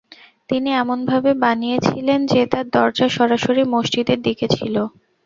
তিনি এমনভাবে বানিয়েছিলেন যে তার দরজা সরাসরি মসজিদের দিকে ছিল।